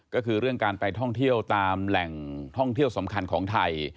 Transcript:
ก็คือเรื่องการไปท่องเที่ยวตามแหล่งท่องเที่ยวสำคัญของไทย